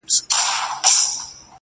ګراني افغاني زما خوږې خورکۍ!